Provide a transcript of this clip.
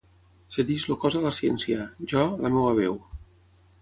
Cedeix el cos a la ciència, jo, la meva veu